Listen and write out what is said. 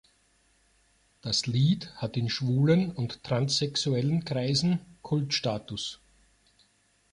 Das Lied hat in Schwulen- und Transsexuellen-Kreisen Kultstatus.